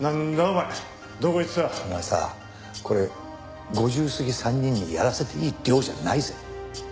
お前さこれ５０過ぎ３人にやらせていい量じゃないぜ。